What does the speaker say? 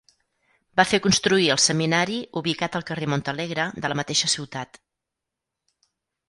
Va fer construir el seminari ubicat al carrer Montalegre de la mateixa ciutat.